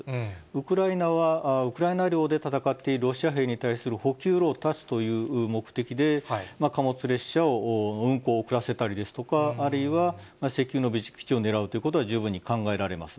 ウクライナは、ウクライナ領で戦っているロシア兵に対する補給路を断つという目的で、貨物列車を運行を遅らせたりですとか、あるいは石油の備蓄基地を狙うということは十分に考えられます。